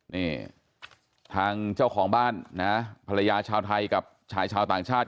นี่ทางเจ้าของบ้านนะภรรยาชาวไทยกับชายชาวต่างชาติ